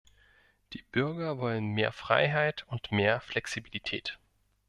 Die Bürger wollen mehr Freiheit und mehr Flexibilität.